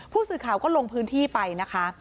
ผู้สื่อข่าวก็ลงพื้นที่ไปนะคะ